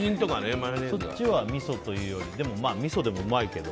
そっちはみそというよりみそでもうまいけど。